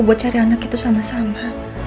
buat cari anak itu sama sama